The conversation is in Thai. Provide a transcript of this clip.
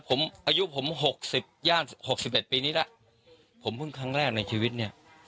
ผมอายุผม๖๐ย่านหกสิบเอ็ดปีนี้แล้วผมเพิ่งครั้งแรกในชีวิตเนี่ย